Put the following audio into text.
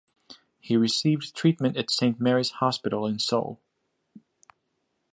He received treatment at Saint Mary's Hospital in Seoul.